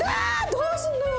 どうすんのよ。